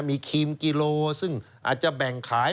มีครีมกิโลซึ่งอาจจะแบ่งขาย